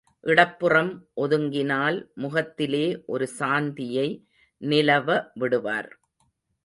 இடப்புறம் ஒதுங்கினால் முகத்திலே ஒரு சாந்தியை நிலவ விடுவார்.